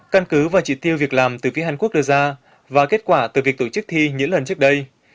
căn cứ và chỉ tiêu việc làm từ phía hàn quốc đưa ra và kết quả từ việc tổ chức thi những lần trước đây